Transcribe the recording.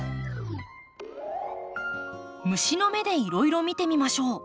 虫の目でいろいろ見てみましょう。